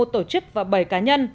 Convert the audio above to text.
một tổ chức và bảy cá nhân